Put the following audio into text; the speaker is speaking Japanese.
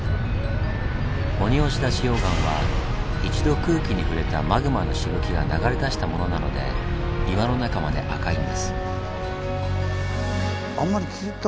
鬼押出溶岩は一度空気に触れたマグマのしぶきが流れ出したものなので岩の中まで赤いんです。